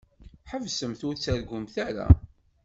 Ḥesbsemt ur ttargumt ara.